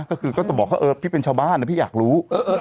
ก็คือบอกมันเป็นชาวบ้านนะพี่อยากรู้